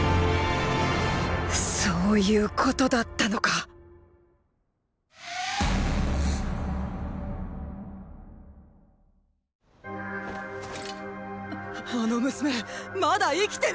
そういうことだったのかあの娘まだ生きてる！